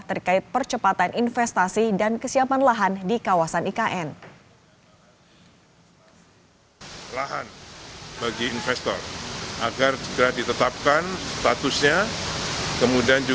terkait percepatan investasi dan kesiapan lahan di kawasan ikn